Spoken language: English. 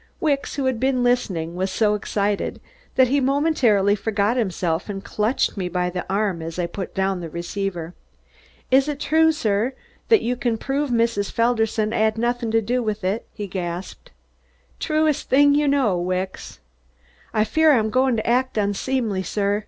Wicks, who had been listening, was so excited that he momentarily forgot himself and clutched me by the arm as I put down the receiver. "Is it true, sir, that you can prove Mrs. Felderson 'ad nothing to do with it?" he gasped. "Truest thing you know, Wicks!" "I fear I'm going to act unseemly, sir.